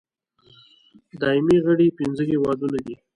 دایمي غړي پنځه هېوادونه دي.